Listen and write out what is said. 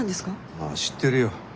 ああ知ってるよ。